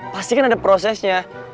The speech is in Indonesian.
pasti kan ada prosesnya